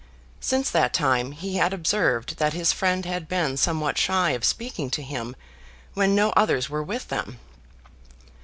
Since that time he had observed that his friend had been somewhat shy of speaking to him when no others were with them.